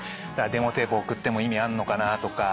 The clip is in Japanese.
デモテープ送っても意味あんのかなとか。